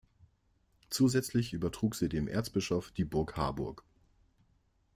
Zusätzlich übertrug sie dem Erzbischof die Burg Harburg.